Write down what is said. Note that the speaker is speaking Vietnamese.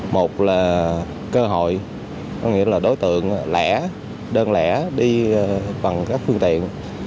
một là cơ hội có nghĩa là đối tượng lẻ đơn lẻ đi bằng các phương tiện